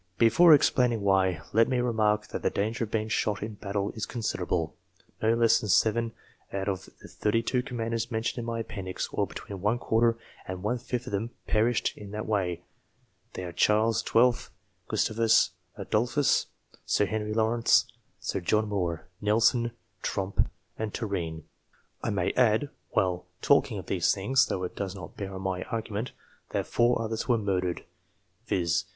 Before explaining why, let me remark that the danger of being shot in battle is considerable. No less than seven of the thirty two commanders mentioned in my appendix, or between one quarter and one fifth of them, perished in that way ; they are Charles XII., Gustavus Adolphus, Sir Henry Lawrence, Sir John Moore, Nelson, Tromp, and Turenne. (I may add, while talking of these things, though it does not bear on my argument, that four others were murdered, viz.